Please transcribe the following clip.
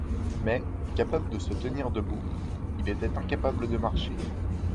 Mais, capable de se tenir debout, il était incapable de marcher.